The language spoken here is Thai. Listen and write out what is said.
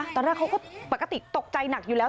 ตอนแรกเขาก็ปกติตกใจหนักอยู่แล้ว